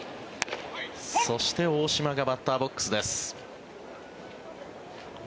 そして、大島がバッターボックスです。